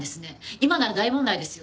今なら大問題ですよ。